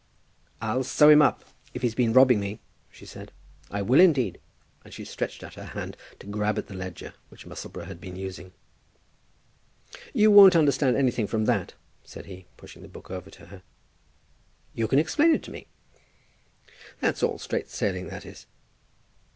"I'll sew him up, if he's been robbing me," she said. "I will, indeed." And she stretched out her hand to grab at the ledger which Musselboro had been using. "You won't understand anything from that," said he, pushing the book over to her. "You can explain it to me." "That's all straight sailing, that is."